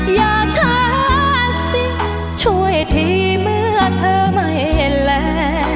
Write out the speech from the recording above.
อย่าช้าสิช่วยที่เมื่อเธอไม่แล